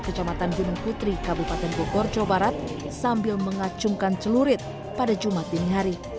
kecamatan gunung putri kabupaten bogor jawa barat sambil mengacungkan celurit pada jumat dini hari